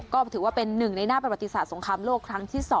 ก็ถือว่าเป็นหนึ่งในหน้าประวัติศาสตสงครามโลกครั้งที่๒